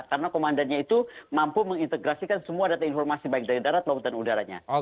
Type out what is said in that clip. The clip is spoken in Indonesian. karena komandannya itu mampu mengintegrasikan semua data informasi baik dari darat laut dan udaranya